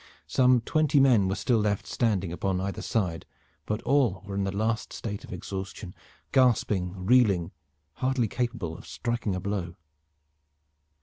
Some twenty men were still left standing upon either side, but all were in the last state of exhaustion, gasping, reeling, hardly capable of striking a blow.